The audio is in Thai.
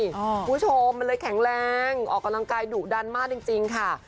คุณผู้ชมมันเลยแข็งแรงออกกำลังกายดุดันมากจริงค่ะ